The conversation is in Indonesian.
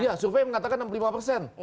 iya sufie mengatakan enam puluh lima persen